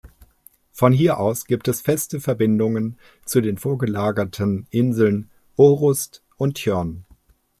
Von hier aus gibt es feste Verbindungen zu den vorgelagerten Inseln Orust und Tjörn.